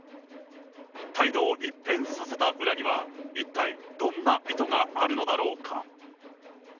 態度を一変させた裏には、一体どんな意図があるのだろうか。